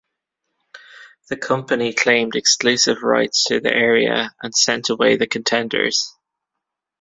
The company claimed exclusive rights to the area and sent away the contenders.